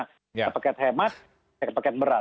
kita kena paket hemat kita kena paket berat